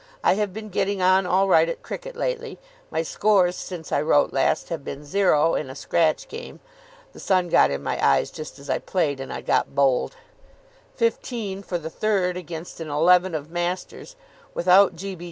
I have been getting on all right at cricket lately. My scores since I wrote last have been 0 in a scratch game (the sun got in my eyes just as I played, and I got bowled); 15 for the third against an eleven of masters (without G. B.